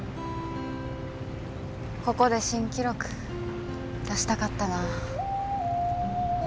ここで新記録出したかったな。